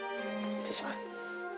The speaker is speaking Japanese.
失礼します。